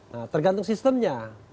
nah tergantung sistemnya